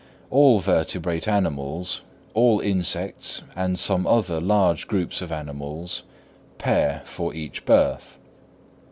All vertebrate animals, all insects and some other large groups of animals, pair for each birth.